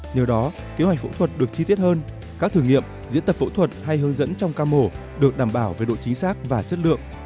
nhiều đó kế hoạch phẫu thuật được chi tiết hơn các thử nghiệm diễn tập phẫu thuật hay hướng dẫn trong cam hổ được đảm bảo với độ chính xác và chất lượng